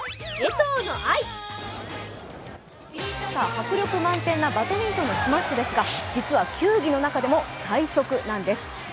迫力満点なバドミントンのスマッシュですが実は球技の中でも最速なんです。